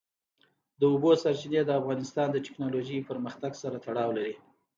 د اوبو سرچینې د افغانستان د تکنالوژۍ پرمختګ سره تړاو لري.